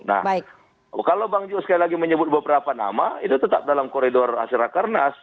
nah kalau bang jos sekali lagi menyebut beberapa nama itu tetap dalam koridor hasil rakernas